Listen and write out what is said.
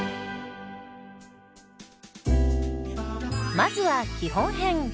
まずは基本編。